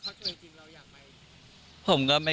แล้วถ้าเกิดว่าเขาช่วยจริงเราอยากไป